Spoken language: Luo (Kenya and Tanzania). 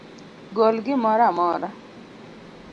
Gol gimoro amora